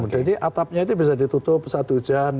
jadi atapnya itu bisa ditutup saat hujan